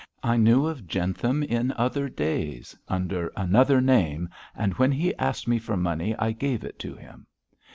I knew of Jentham in other days, under another name, and when he asked me for money I gave it to him.